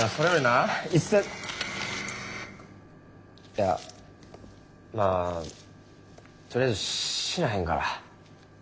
いやまあとりあえず死なへんから。